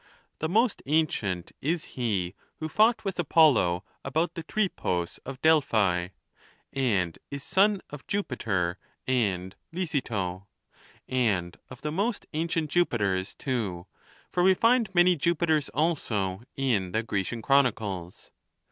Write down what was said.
The most ancient is he who fought with Apollo about the Tripos of Delphi, and is son of Jupiter and Lisyto ; and of the most ancient Jupiters too, for we find many Jupiters also in the Grecian chronicles.